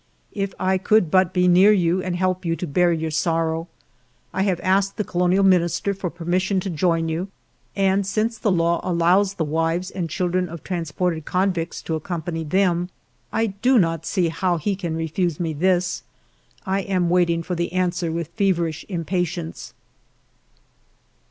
" If I could but be near you and help you to bear your sorrow ! I have asked the Colonial ALFRED DREYFUS 143 Minister for permission to join you, and since the law allows the wives and children of trans ported convicts to accompany them, I do not see how he can refuse me this. I am waiting for the answer with feverish impatience."